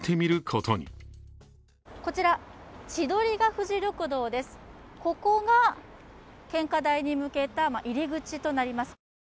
ここが献花台に向けた入り口となります。